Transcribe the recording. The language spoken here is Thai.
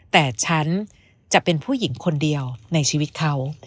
แต่ฉันจะเป็นผู้หญิงคนเดียวในชีวิตเขา